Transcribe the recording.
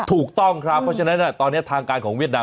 ถูกต้องครับเพราะฉะนั้นตอนนี้ทางการของเวียดนาม